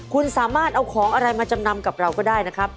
คุณสามารถเอาของอะไรมาจำนำกับเราก็ได้นะครับ